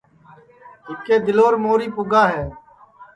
اِٻکے دِلور موری پُگا ہے